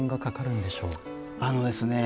あのですね